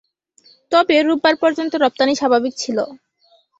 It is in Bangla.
তবে রোববার পর্যন্ত রপ্তানি স্বাভাবিক ছিল।